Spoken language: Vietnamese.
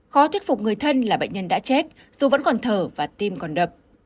khó thuyết phục người thân là bệnh nhân đã chết dù vẫn còn thở và tim còn đập